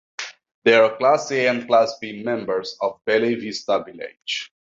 There are Class A and Class B members of Bella Vista Village.